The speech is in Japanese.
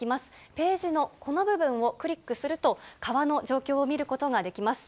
ページのこの部分をクリックすると、川の状況を見ることができます。